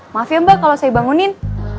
maaf ya mbak kalau saya bangunin